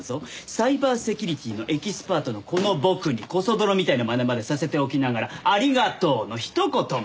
サイバーセキュリティーのエキスパートのこの僕にコソ泥みたいなまねまでさせておきながら「ありがとう」のひと言も。